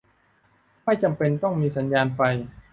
ไม่จำเป็นต้องมีสัญญาณไฟ